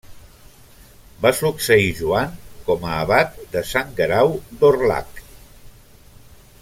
Va succeir Joan com a abat de Sant Guerau d'Orlhac.